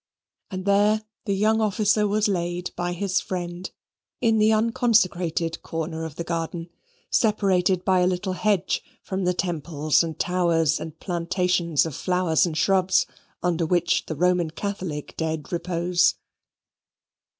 And there the young officer was laid by his friend, in the unconsecrated corner of the garden, separated by a little hedge from the temples and towers and plantations of flowers and shrubs, under which the Roman Catholic dead repose.